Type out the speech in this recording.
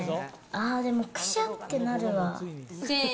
あーでも、くしゃってなるわ。